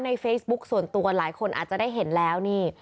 ในเฟซบุ๊คส่วนตัวหลายคนอาจจะได้เห็นแล้วนี่